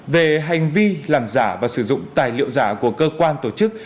về hành vi làm giả và sử dụng tài liệu giả của cơ quan tổ chức